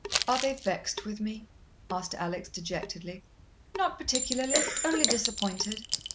"Are they vexed with me?" asked Alex dejectedly. "Not particularly. Only disappointed."